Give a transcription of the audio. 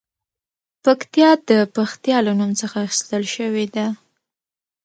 پکتیا د پښتیا له نوم څخه اخیستل شوې ده